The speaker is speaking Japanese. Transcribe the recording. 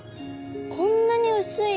こんなに薄い。